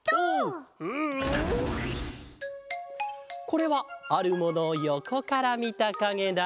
これはあるものをよこからみたかげだ。